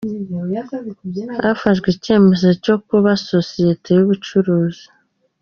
Hafashwe icyemezo cyo kuba Sosiyete y’ubucuruzi